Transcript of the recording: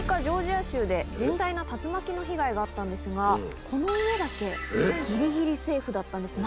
甚大な竜巻の被害があったんですがこの家だけギリギリセーフだったんです。